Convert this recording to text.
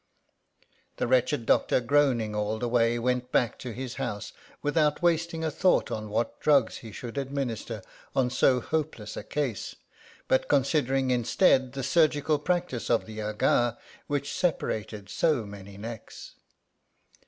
The wretched doctor, groaning all the way, went back to his house, without wasting a thought on what drugs he should administer on so hopeless a case ; but considering, instead, the sur^^ical practice of the Aga, which separated so many necks.